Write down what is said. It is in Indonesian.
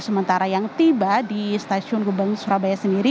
sementara yang tiba di stasiun gubeng surabaya sendiri